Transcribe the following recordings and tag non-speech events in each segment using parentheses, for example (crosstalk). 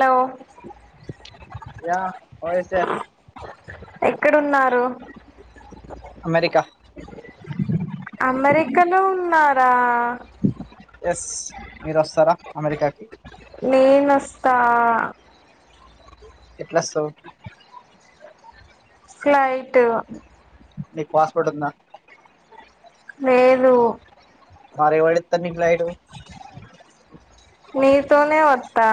లో యా వై సే ఎక్కడున్నారు అమెరికా అమెరికానో ఉన్నారా ఎస్ మీరు వస్తారా అమెరికా కి నేనొస్తా ఎట్లా వస్తావ్ ఫ్లైట్ నీకు పాస్పోర్ట్ ఉందా లేదు మరి ఎవడు ఇత్తడు ఫ్లైట్ నీతోనే వత్తా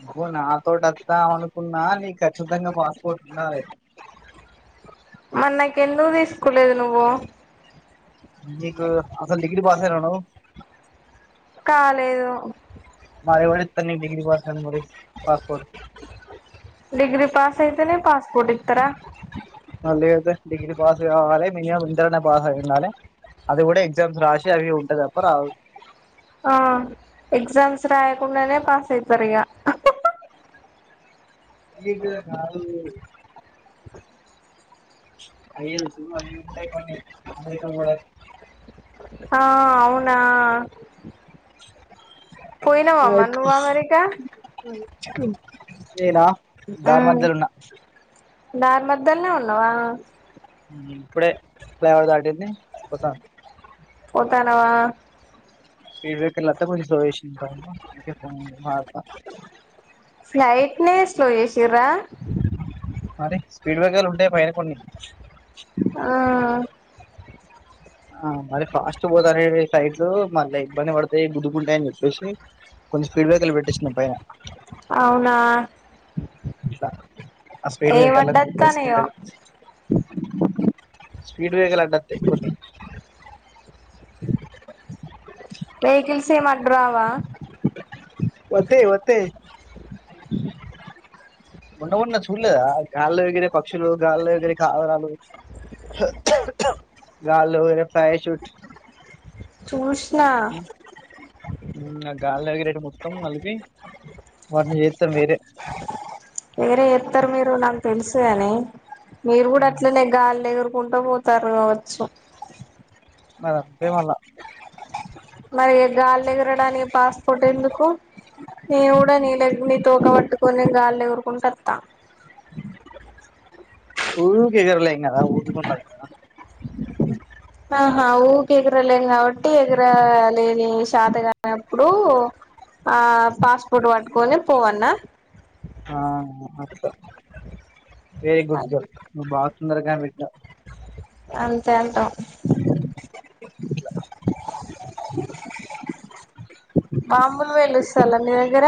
నువ్వు నాతోటి అత్తవు అనుకున్నా నీ ఖచ్చితంగా పాస్పోర్ట్ ఉండాలే మరి నాకు ఎందుకు తీసుకోలేదు నువ్వు మీకు అసలు డిగ్రీ పాసైనవా నువ్వు కాలేదు మరీ ఎవడు ఇత్తడు నీకు డిగ్రీ పాస్ కానిది మరి పాస్పోర్ట్ డిగ్రీ పాస్ అయితేనే పాస్పోర్ట్ ఇత్తర లేకపోతే డిగ్రీ పాస్ కావాలే మీడియం ఇంటర్ అన్న పాస్ అయ్యి ఉండాలే అది కూడా ఎగ్జామ్స్ రాసి అవి ఉంటా తప్ప రావు ఆ ఎగ్జామ్స్ రాయకుండానే పాస్ అయితారు ఇగ ఈజీ గా కాదు అయ్యల్స్ అవ్వి ఉంటాయి కొన్ని అమెరికా పోవడానికి ఆ అవునా పోయినవా మరి నువ్వు అమెరికా (unintelligible) ఇడా హు దారి మద్యల్నే ఉన్నావా ఉమ్ ఇప్పుడే ఫ్లై ఓవర్ దాటింది పోత పోతానవా (unintelligible) అందుకే పోన్ నాడుతా ఫ్లైట్ నే స్లో చేసిర్రా మరి స్పీడ్ బ్రేకర్లు ఉంటాయి పైన కొన్ని ఆ ఆ మరి ఫాస్ట్ పోతనై ఫ్లైట్లు మళ్ళా ఇబ్బంది పడతాయి గుద్దుకుంటాయని చెప్పేసి కొన్ని స్పీడ్ బ్రేకర్లు పెట్టిచ్చినము పైన అవునా అట్లా ఆ స్పీడ్ బ్రేకర్లు గుద్దేసుకుంటా ఏమడ్డత్తనయో వెళ్ళిపో స్పీడ్ బేకర్లు అడ్డు వత్తాయి కొన్ని వెహికల్స్ ఏం అడ్డు రావా వతే వతే ఉన్న ఉన్నా చూలేదా గాల్లో ఎగిరే పక్షులు గాల్లో ఎగిరే కావరాలు గాల్లో ఎగిరే ప్యారాసూట్ చూసిన ఇంకా గాల్లో ఎగిరేటి మొత్తం కలిపి వాటిని చేత్తారు వేరే వేరే చెస్తారు మీరు నాకు తెలుసు కాని మీరు కూడా అట్లనే గాల్లేగురు కుంట పోతారు కావచ్చు మరి అంతే మళ్ళా మరి గాల్లో ఎగరడానికి పాస్పోర్ట్ ఎందుకు నేను కూడా నీతోక పట్టుకొని గాలి ఎగురుకుంటను త ఊకె ఎగరంలే గదా ఓపిక ఉండాలి కదా ఆహా ఊకె ఎగరలేం కాబట్టి ఎగరలేని శాతకానప్పుడు ఆ పాస్పోర్ట్ పట్టుకొని పోవాల్న్న ఆ అట్ల వెరీ గుడ్ గల్ నువ్వు బాగా తొందరగా కనిపెట్టినావ్ అంతే అంటావ్ బాంబులు పేలుస్తాల మీదగ్గర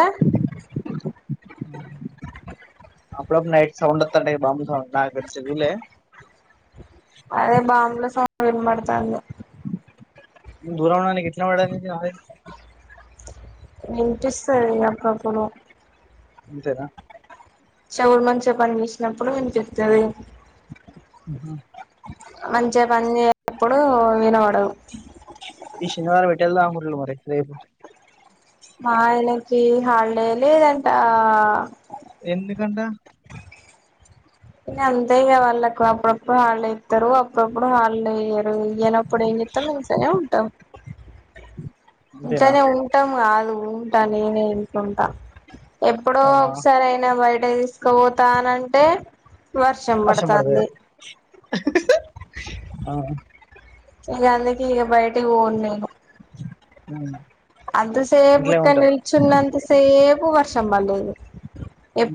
అప్పుడప్పుడు నైట్ సౌండ్ వస్తుంటే బాంబు సౌండ్ నువ్వు చూడలే అదే బాంబ్ల సౌండ్ వినబడుతాంది దూరం ఉన్నది నీకు ఎట్లా వినపడ్డది మరి వినిపిస్తాది అప్పుప్పుడు అంతేనా చెవులు మంచిగా పని చేేసినప్పుడు వినిపిత్తది ఉమ్ హు మంచిగా పని చేయనప్పుడు వినబడవు ఈ శనివారం ఎటెల్దాము అనుకుంటుర్రు మరి రేపు మాయనకి హాల్డేలేదంటా ఎందుకంట అంతే వాళ్ళకు అప్పుడప్పుడు హాలిడే ఇస్తారు అప్పుడప్పుడు హాలిడే ఇయ్యారు ఇయన ఇప్పుడు ఏం చెత్త ఇంట్లోనే ఉంటాం అంతేనా ఉంటం కాదు ఉంటా నేను ఇంట్లో ఉంటా ఎప్పుడో అవునా ఒకసారి అయినా బయట తీ పోతానంటే వర్ వర్షం పడుతది ఆ ఇగ అందుకే ఈగ బయటికి పొను నేను ఉమ్ అంత సేపు ఇక్కడ నిల్చున్నంత సేపు వర్షం పలేదు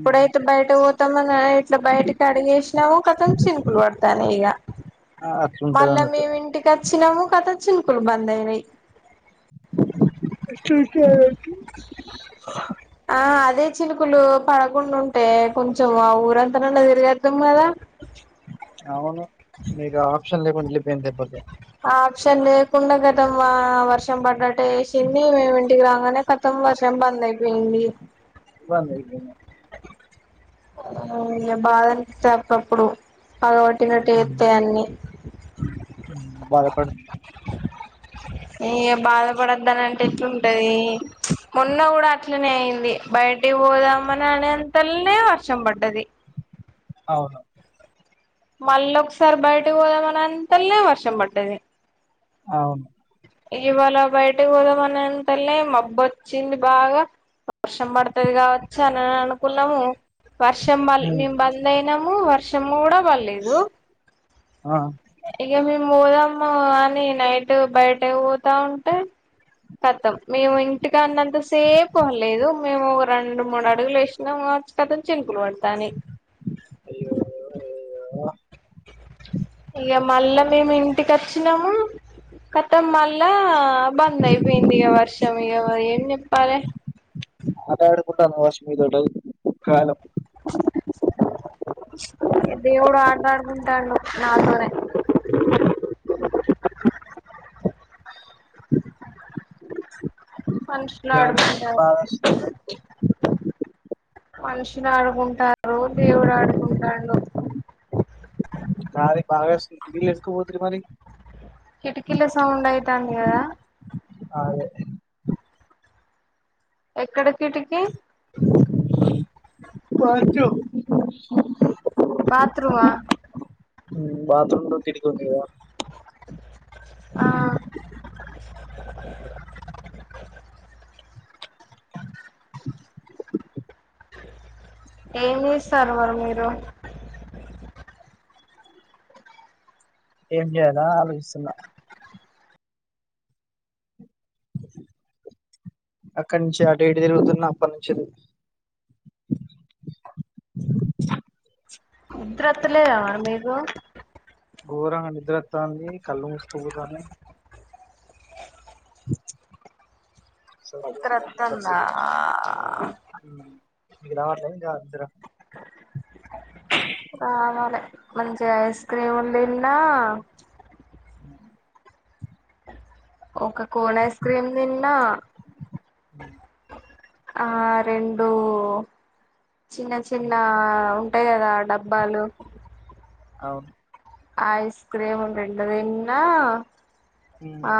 మ్ బయట పోతామోని ఇట్లా బయటకి అడిగేసినామో కథం చినుకులు పడతాయనీ ఇక అ ఆ అట్లుంటది మనతో ఇటు వచ్చినము కతం చినుకులు బందయినాయి. ఎట్లా ఉంటది ఆ అదే చినుకులు పడకుండా ఉంటే కొంచెం ఆ ఊరంతనన్న తిరగోదు ము గదా అవును మీకు ఆప్షన్ లేకుండ లేకుండా వెళ్ళిపోయింది దెబ్బకే ఆ ఆప్షన్ లేకుండా కథం ఆ వర్షం పడ్డాట్ లేసింది మేము ఇంటికి రాంగానే కతం వర్షం బంద్ అయిపోయింది దయాన్నే అయిపొయింది ఇ బాధనిపిత్తది అప్పుడప్పుడు పగబట్టినట్టు ఎత్తయి అన్ని బయ పడు ఏ ఇగ బాధపడద్దని అంటే ఎట్లుంటది మొన్న కూడా అట్లనే అయింది బయటకి పోదామని అనేంతల్నే వర్షం పడ్డది అవును మళ్ళ ఒకసారి బయటకి పోదామని అంతల్నే వర్షం పడ్డది అవును ఇవాళ బయటకి పోదామాని అంతల్లే మబ్బు వచ్చింది బాగా వర్షం పడుతది కావచ్చు అనే అనుకున్నాము వర్షం బల్ మ్ మేము బంద్ అయినాము వర్షం కూడా పడలేదు ఆ ఇగ మేము పోదాము అని నైట్ బయట పోతా ఉంటే కతం మేము ఇంటికి అన్నంత సేపు పల్లెదు మేము ఒక రెండు మూడు అడుగులు వేసినాము కథం చినుకులు పడుతన్నాయి అయ్యో అయ్యో అయ్యో ఇగ మళ్ళా మేమి ఇంటికి అచ్చి క్షణము కతం మళ్ళా బంద్ అయిపోయిందిగ వర్షం ఇగ ఏం జెప్పాలే ఆట అడుకుంటన్న వాషందటదు కాలం దేవుడు ఆటాడుకుంటాండు నాతోనే మనుషులు గాలి ఆడుకుంట మాత్రం బాగా వస్తుంది మనుషులు ఆడుకుంటారు దేవుడు ఆడుకుంటాడు గాలి బాగా వస్తుంది ఇల్లు వేసుకోకపోతిరి మరి కిటికీల సౌండ్ అయితాంది కదా అదే ఎక్కడ కిటికిీ వచ్చు బాత్రూమా బాత్రూ రూమ్లో కిటికీ ఉందిగద ఆ ఏం జేస్తారు మరి మీరు ఏం జెయాలా ఆలోచిస్తున్నా అక్కడ నుంచి ఆటుఇటు తిరుగుతున్న అప్పటి నుంచెల్లి నిద్రత్త లేదా మరి మీకు ఘోరంగా నిద్రత్తాంది కళ్ళు మూసుకుపోతాని సో నిద్ర ఘోరంగా అత్తందా ఉ ఇంటికి రావట్లేదు ఇద్దరం ఆమె మంచిగ ఐస్ క్రీమ్ందిన్నా అ ఓకా కోన్ ఐస్ క్రీమ్ తిన్న ఉమ్, ఆ రెండు చిన్న చిన్న ఉమ్, ఉంటయి కదా డబ్బాలు అవును ఐస్ క్రీమ్లు రెండుదిన్న ఉమ్. ఆ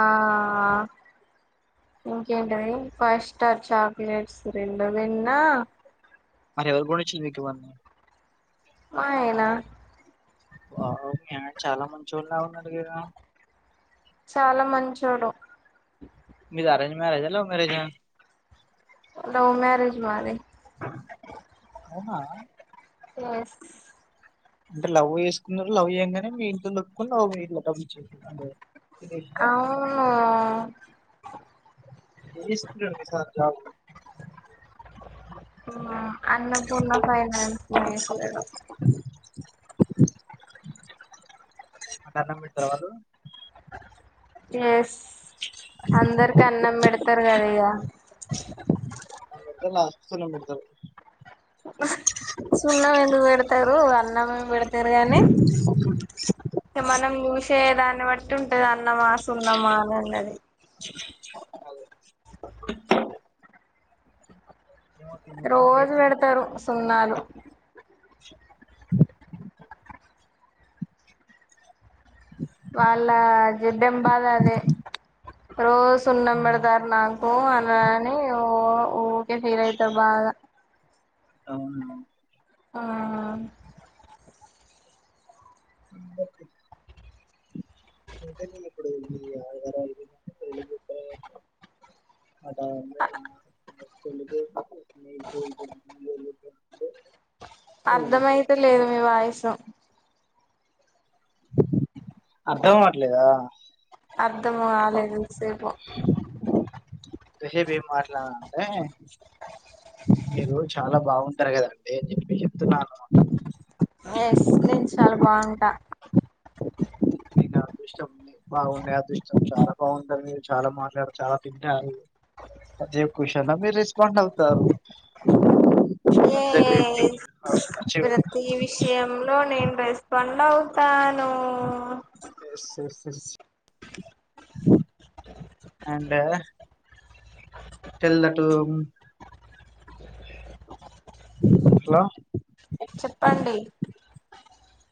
ఇంకేంటిది ఫైవ్ స్టార్ చాక్లెట్స్ రెండు తిన్న మర ఎవరు గోనిచారు మీకువన్నా మా అయినా ఆహా మీ అయిన చాలా మంచోడిలా ఉన్నాడు కదా చాలా మంచోడు మీది అరేంజ్ మ్యారేజ్ ఆ లవ్ మ్యారేజ్ ఆ లవ్ మ్యరేజ్ మాది అవునా యెస్ అంటే లవ్ చేసుకున్నారు లవ్ చేయగానే మీ ఇంట్లో ఒప్పుకుని (unintelligible) అవును ఏం చేస్తుటాడు మీ సార్ జాబ్ అన్నపూర్ణ ఫైనాన్స్ లో చేస్తాడు అంటే అన్నం పెడతారా వాళ్ళు ఎస్ అందరికి అన్నం పెడతారు కదా ఇగ అలా అయితే లాస్ట్కీ సునమ్ పెడతారు సున్నాం ఎందుకు పెడతారు అన్నం ఏమి పెడతారు గానీ మనం చూసేదాన్ని బట్టి ఉంటది అన్నమా సున్నమా అని ఉన్నది (unintelligible) ఏమో తిని మొత్తానికి రోజు అయితే పెడతారు సున్నాలు వాళ్ళ జెడం బాధ అదే రోజు ఉమ్, సున్నాంబడతారు నాకు అనని ఓ ఊకే ఫీల్ అయితారు బాగా అవునా మ్మ్ ే అంటే మీరు ఇప్పుడు మీ (unintelligible) పెళ్ళి చేసినపుడు మీరు (unintelligible) అర్థమైత లేదు మీ వాయిస్ అర్థం అవవట్లేదా అర్థం కాలేదు ఇంతసేపు ఇంతసేపు ఏం మాట్లాడా అంటే మీరు చాలా బాగుంటారు కదండి చెప్పి చెప్తున్నాను ఎస్ నేను చాలా బాగుంటా మీకు అదృష్టం బాగుండే అదృష్టం చాలా బాగుంటారు మీరు చాలా మాట్లాడరు చాలా తింటారు అదే క్వశ్చన్ మీరు రెస్పాండ్ అవుతారు ఫర్ థాట్ సెక్రెటరీ ఆ అచీవ్ ఈ విషయంలో నేను రెస్పాండ్ అవుతాను SS yes and tell that home hello చెప్పండి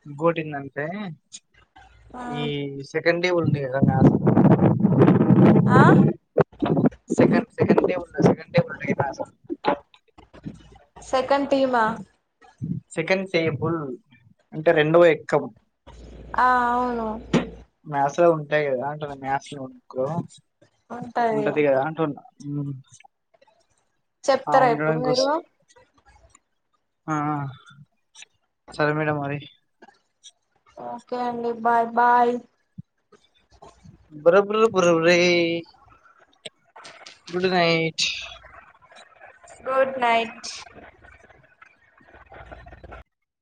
ఇంకోటి ఏందీ అంటే ఈ ఉమ్, సెకండ్ డే ఉంది కదా న ఆ సెకండ్ సెకండ్కే వస్తడు సెకండ్ (inaudible) సెకండ్ టీమా సకండ్ టేబుల్ అంటే రెండవ ఎక్కం ఆ అవును మ్యాథ్స్లో ఉంటాయి కదా అంటున్న మ్యాథ్స్ లో బుక్ ఉంటది కదా అంటున్న ఉం ఆ చెప్తారా ఇప్పుడు మీరు ఉండడానికోసం ఆ సరే మేడం మరి ఓకే అండి బాయ్ బాయ్ బురబుర బురబురే గుడ్ నైట్ గుడ్ నైట్